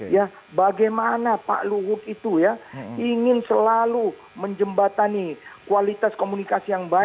ya bagaimana pak luhut itu ya ingin selalu menjembatani kualitas komunikasi yang baik